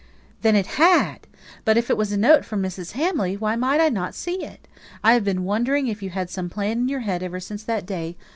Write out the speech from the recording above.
"Then it had! But if it was a note from Mrs. Hamley, why might I not see it? I have been wondering if you had some plan in your head ever since that day.